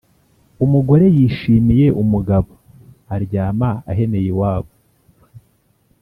Umugore yishimiye umugabo aryama aheneye iwabo